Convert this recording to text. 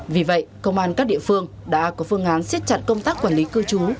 vì vậy công an các địa phương đã có phương án siết chặt công tác quản lý cư trú